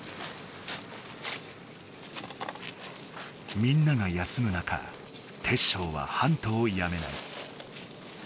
みんなが休む中テッショウはハントをやめない。